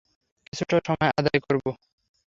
কিছুটা সময় আদায় করবো।